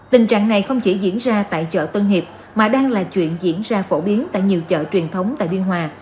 tình trạng này không chỉ diễn ra tại chợ tân hiệp mà đang là chuyện diễn ra phổ biến tại nhiều chợ truyền thống tại biên hòa